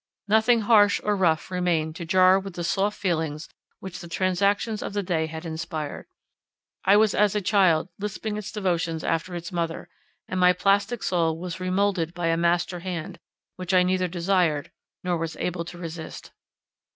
Nothing harsh or rough remained to jar with the soft feelings which the transactions of the day had inspired; I was as a child lisping its devotions after its mother, and my plastic soul was remoulded by a master hand, which I neither desired nor was able to resist.